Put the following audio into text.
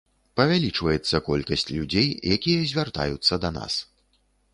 Павялічваецца колькасць людзей, якія звяртаюцца да нас.